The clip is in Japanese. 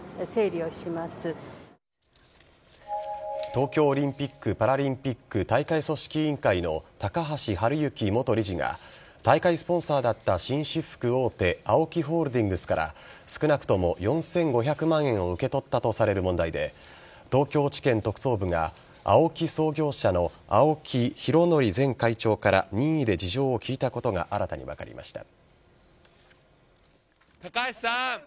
東京オリンピック・パラリンピック大会組織委員会の高橋治之元理事が大会スポンサーだった紳士服大手ＡＯＫＩホールディングスから少なくとも４５００万円を受け取ったとされる問題で東京地検特捜部がＡＯＫＩ創業者の青木拡憲前会長から任意で事情を聴いたことが新たに分かりました。